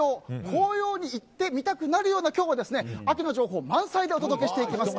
紅葉に行ってみたくなるような今日は秋の情報満載でお届けしていきます。